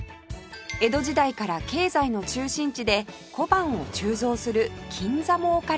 江戸時代から経済の中心地で小判を鋳造する金座も置かれていました